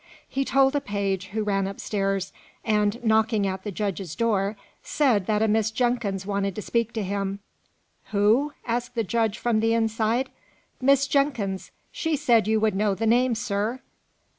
He told a page, who ran upstairs, and, knocking at the judge's door, said that a Miss Jenkins wanted to speak to him. "Who?" asked the judge from the inside. "Miss Jenkins. She said you would know the name, sir."